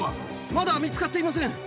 まだ見つかっていません。